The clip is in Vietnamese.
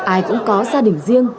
ai cũng có gia đình riêng